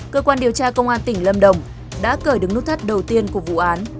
cơ quan điều tra công an tỉnh lâm đồng đã cởi đứng nút thắt đầu tiên của vụ án